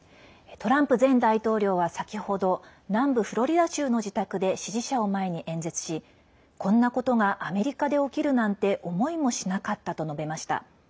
トランプ前大統領は先ほど南部フロリダ州の自宅で支持者を前に演説しこんなことがアメリカで起きるなんて思いもしなかったと述べました。